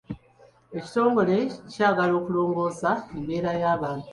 Ekitongole kyagala kulongoosa mbeera ya bantu.